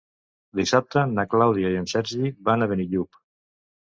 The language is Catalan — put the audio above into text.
Dissabte na Clàudia i en Sergi van a Benillup.